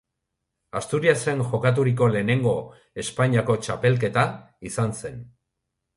Asturiasen jokaturiko lehenengo Espainiako txapelketa izan zen.